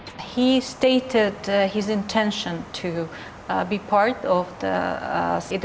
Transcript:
dia mengatakan intinya untuk menjadi bagian dari kita